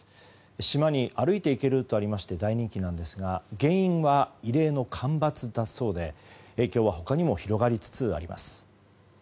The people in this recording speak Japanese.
島に歩いて行けるとありまして大人気ですが原因は異例の干ばつだそうで影響は他にも広がりつつあります。